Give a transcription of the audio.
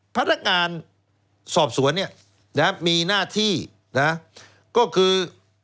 พนักงานสอบสวนเนี่ยนะมีหน้าที่นะก็คือ